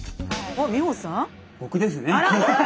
僕ですね